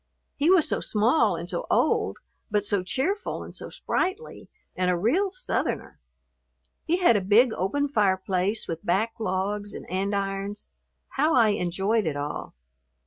He was so small and so old, but so cheerful and so sprightly, and a real Southerner! He had a big, open fireplace with backlogs and andirons. How I enjoyed it all!